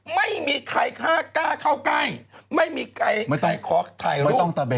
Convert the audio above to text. ไม่มีใครกล้าเข้าใกล้ไม่มีใครขอถ่ายรูป